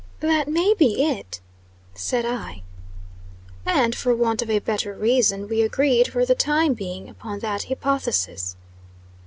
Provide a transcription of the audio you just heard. "That may be it," said I. And, for want of a better reason, we agreed, for the time being, upon that hypothesis.